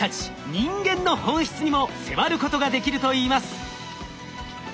人間の本質にも迫ることができるといいます。